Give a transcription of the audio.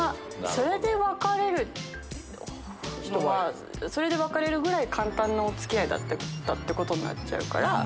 それで別れる人はそれで別れるぐらい簡単なお付き合いってことになるから。